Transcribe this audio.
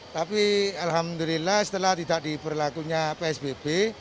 tapi alhamdulillah setelah tidak diberlakunya psbb